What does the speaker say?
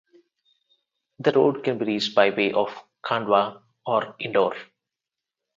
The road can be reached by way of Khandwa or Indore.